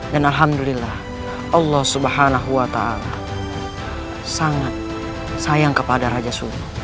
dan alhamdulillah allah swt sangat sayang kepada raja suri